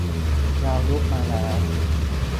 เรา ยุบมาแล้ว